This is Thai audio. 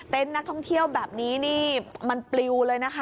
ต้นท่องเที่ยวแบบนี้มันเปรียวเลยนะฮะ